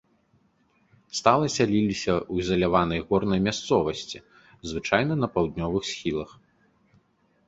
Стала сяліліся ў ізаляванай горнай мясцовасці, звычайна на паўднёвых схілах.